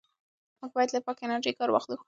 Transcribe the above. موږ باید له پاکې انرژۍ کار واخلو.